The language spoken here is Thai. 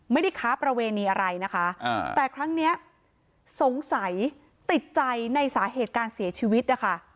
ไม่ได้ค้าประเวณีอะไรนะคะแต่ครั้งเนี้ยสงสัยติดใจในสาเหตุการเสียชีวิตนะคะ